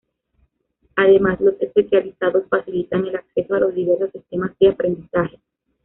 Además, los especializados facilitan el acceso a los diversos sistemas de aprendizaje.